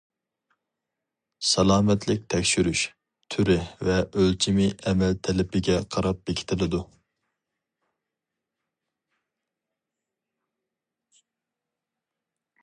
سالامەتلىك تەكشۈرۈش تۈرى ۋە ئۆلچىمى ئەمەل تەلىپىگە قاراپ بېكىتىلىدۇ.